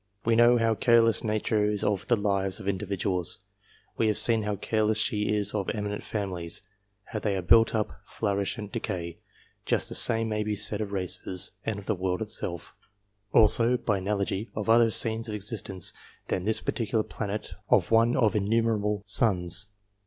We know how careless Nature is of the lives of individuals ; we have seen how careless she is of eminent families how they are built up, flourish, and decay : just the same may be said of races, and of the world itself ; also, by analogy, of other scenes of existence than this particular planet of one of innumerable suns.